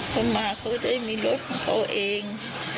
คนมาเขาก็จะได้มีรถของเขาเอง